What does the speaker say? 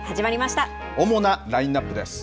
主なラインナップです。